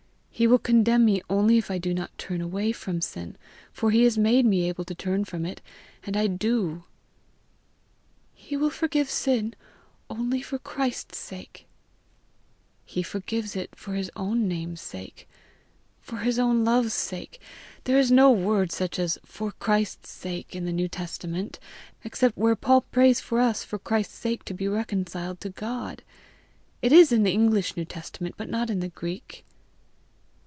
He will condemn me only if I do not turn away from sin, for he has made me able to turn from it, and I do." "He will forgive sin only for Christ's sake." "He forgives it for his own name's sake, his own love's sake. There is no such word as FOR CHRIST'S SAKE in the New Testament except where Paul prays us for Christ's sake to be reconciled to God. It is in the English New Testament, but not in the Greek."